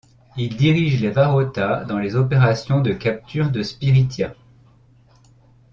Dirige les Varauta dans les opérations de capture de spiritia.